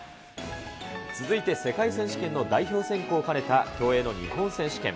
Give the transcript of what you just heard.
続いて世界選手権の代表選考を兼ねた競泳の日本選手権。